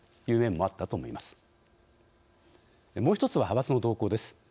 もう一つは派閥の動向です。